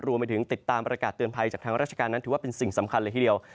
รวมไปถึงติดตามประกาศเตือนภัยจากทางราชการนั้นถือว่าเป็นสิ่งสำคัญเลยทีเดียว